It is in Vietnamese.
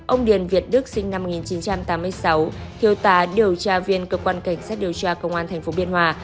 ông điền việt đức sinh năm một nghìn chín trăm tám mươi sáu thiêu tá điều tra viên cơ quan cảnh sát điều tra công an tp biên hòa